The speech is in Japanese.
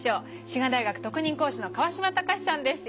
滋賀大学特任講師の川島隆さんです。